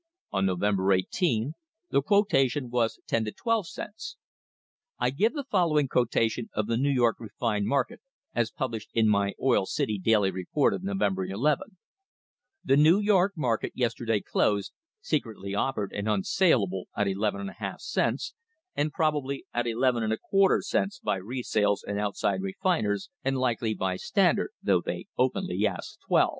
On November 18, the quotation was ' 10 to 12 cents.' I give the following quotation of the New York refined market as published in my Oil City daily report of November II : 'The New York market yesterday closed, secretly offered and unsalable at ni cents, and probably at 1 1 1 cents by resales and outside refiners, and likely by Standard, though they openly ask 12.'